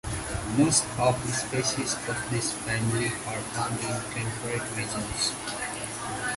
Most of the species of this family are found in temperate regions.